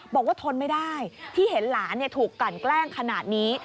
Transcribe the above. ทนไม่ได้ที่เห็นหลานถูกกันแกล้งขนาดนี้